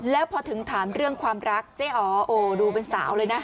แล้วพอถึงถามเรื่องความรักเจ๊อ๋อดูเป็นสาวเลยนะ